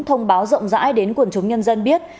thông báo rộng rãi đến quần chúng nhân dân biết